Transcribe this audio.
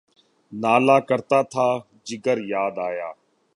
نالہ کرتا تھا، جگر یاد آیا